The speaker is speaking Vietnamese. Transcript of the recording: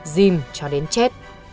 dìm cho đến chết